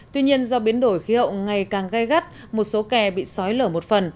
tuy nhiên do biến đổi khí hậu ngày càng gai gắt một số kè bị sói lở một phần